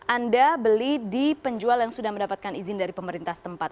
anda beli di penjual yang sudah mendapatkan izin dari pemerintah tempat